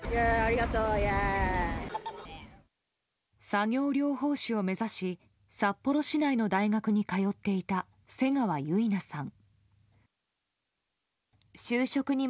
作業療法士を目指し札幌市内の大学に通っていた瀬川結菜さん。